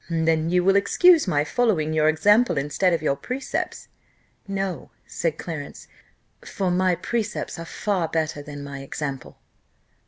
"Then you will excuse my following your example instead of your precepts." "No," said Clarence, "for my precepts are far better than my example."